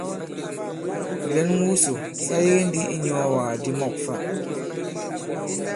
Lɛ̌n wusò sa yege ndī i inyɔ̄ɔwàk di mɔ̂k fa.